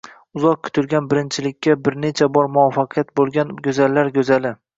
uzoq kutilgan birinchilikka bir necha bor muvaffaq bo‘lgan go‘zallar go‘zali